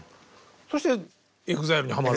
そしてＥＸＩＬＥにハマる？